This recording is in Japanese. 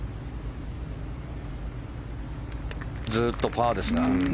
ずっとパーですが。